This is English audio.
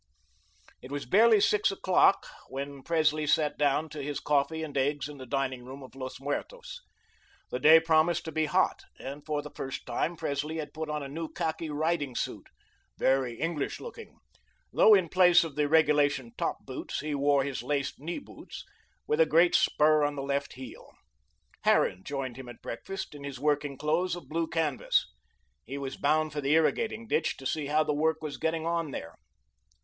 It was barely six o'clock when Presley sat down to his coffee and eggs in the dining room of Los Muertos. The day promised to be hot, and for the first time, Presley had put on a new khaki riding suit, very English looking, though in place of the regulation top boots, he wore his laced knee boots, with a great spur on the left heel. Harran joined him at breakfast, in his working clothes of blue canvas. He was bound for the irrigating ditch to see how the work was getting on there.